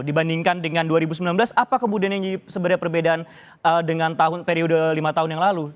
dibandingkan dengan dua ribu sembilan belas apa kemudian yang sebenarnya perbedaan dengan tahun periode lima tahun yang lalu